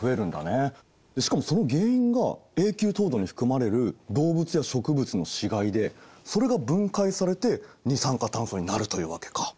しかもその原因が永久凍土に含まれる動物や植物の死骸でそれが分解されて二酸化炭素になるというわけか。